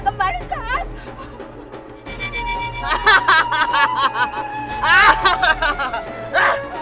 kembalikan tuhan kembalikan